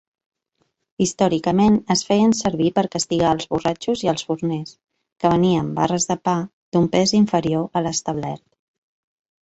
Històricament, es feien servir per castigar els borratxos i els forners que venien barres de pa d'un pes inferior a l'establert.